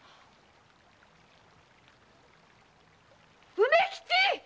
梅吉